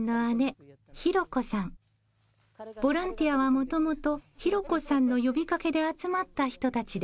ボランティアはもともとひろ子さんの呼びかけで集まった人たちです。